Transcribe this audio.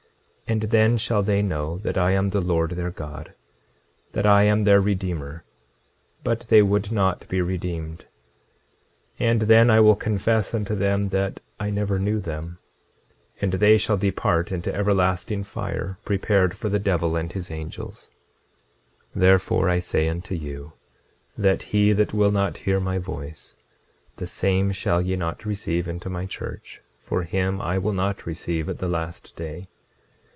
26:26 And then shall they know that I am the Lord their God, that I am their Redeemer; but they would not be redeemed. 26:27 And then I will confess unto them that I never knew them; and they shall depart into everlasting fire prepared for the devil and his angels. 26:28 Therefore I say unto you, that he that will not hear my voice, the same shall ye not receive into my church, for him I will not receive at the last day.